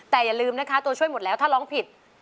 แต่อย่าลืมนะคะตัวช่วยหมดแล้วถ้าร้องผิด